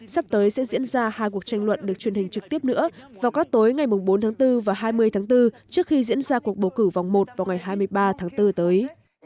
sắp tới sẽ diễn ra hai cuộc tranh luận được truyền hình trực tiếp nữa vào các tối ngày bốn tháng bốn và hai mươi tháng bốn trước khi diễn ra cuộc bầu cử vòng một vào ngày hai mươi ba tháng bốn tới